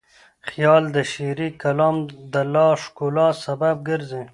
خیال د شعري کلام د لا ښکلا سبب ګرځي.